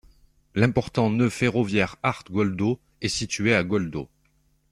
L'important noeud ferroviaire Arth-Goldau est situé à Goldau.